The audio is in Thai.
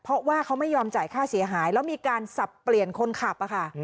เพราะว่าเขาไม่ยอมจ่ายค่าเสียหายแล้วมีการสับเปลี่ยนคนขับค่ะ